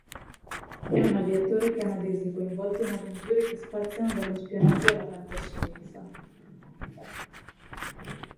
È un aviatore canadese coinvolto in avventure che spaziano dallo spionaggio alla fantascienza.